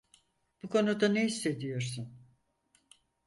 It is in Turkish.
Bu konuda ne hissediyorsun?